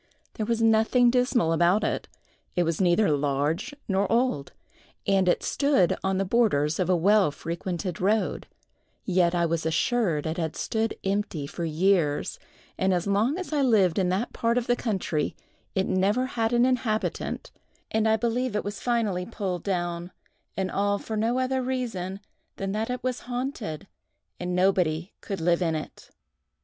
There was nothing dismal about it: it was neither large nor old, and it stood on the borders of a well frequented road; yet I was assured it had stood empty for years; and as long as I lived in that part of the country it never had an inhabitant, and I believe was finally pulled down—and all for no other reason than that it was haunted, and nobody could live in it.